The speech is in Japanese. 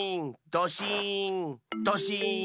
ドシーンドシーン！